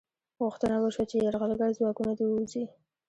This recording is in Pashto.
غوښتنه وشوه چې یرغلګر ځواکونه دې ووځي.